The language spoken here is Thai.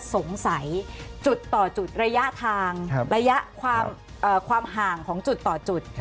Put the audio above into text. สงสัยจุดต่อจุดระยะทางระยะความห่างของจุดต่อจุด